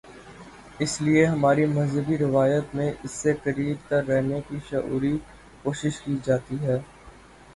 اس لیے ہماری مذہبی روایت میں اس سے قریب تر رہنے کی شعوری کوشش کی جاتی ہے۔